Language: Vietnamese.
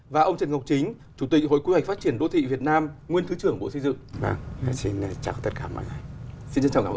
và ông trần ngọc chính chủ tịch hội quy hoạch phát triển đô thị việt nam nguyên thứ trưởng bộ xây dựng